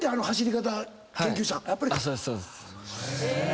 そうですそうです。